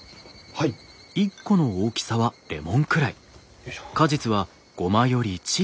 よいしょ。